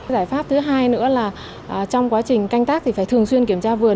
giải pháp thứ hai nữa là trong quá trình canh tác thì phải thường xuyên kiểm tra vườn